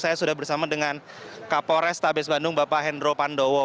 saya sudah bersama dengan kapolres tabes bandung bapak hendro pandowo